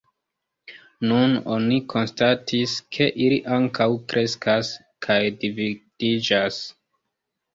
Nun oni konstatis, ke ili ankaŭ kreskas kaj dividiĝas.